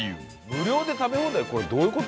無料で食べ放題これどういう事？